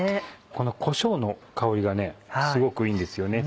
このこしょうの香りがすごくいいんですよね。